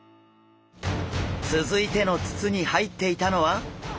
続いての筒に入っていたのは！